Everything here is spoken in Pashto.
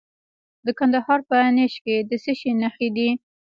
د کندهار په نیش کې د څه شي نښې دي؟